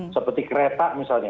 seperti kereta misalnya